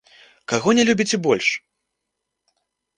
Каго не любіце больш?